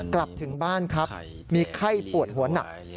กลับถึงบ้านครับมีไข้ปวดหัวหนัก